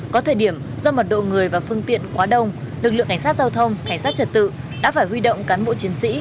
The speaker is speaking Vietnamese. có thời điểm do mật độ người và phương tiện quá đông lực lượng cảnh sát giao thông cảnh sát trật tự đã phải huy động cán bộ chiến sĩ